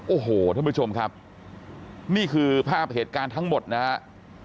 โอ้โหท่านผู้ชมครับนี่คือภาพเหตุการณ์ทั้งหมดนะครับ